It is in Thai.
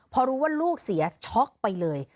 พอรู้ว่าลูกเสียช็อกไปเลย